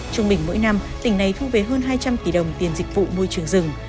trong bình mỗi năm tỉnh này thu về hơn hai trăm linh tỷ đồng